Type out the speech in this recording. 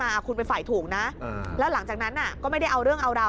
อ่าคุณเป็นฝ่ายถูกนะแล้วหลังจากนั้นอ่ะก็ไม่ได้เอาเรื่องเอาราว